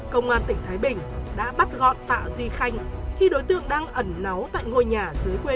công an tỉnh thái bình đã bắt gọn tạ duy khanh khi đối tượng đang ẩn náu tại ngôi nhà dưới quê